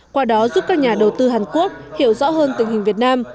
qua đó giúp các nhà đầu tư hàn quốc hiểu rõ hơn tình hình việt nam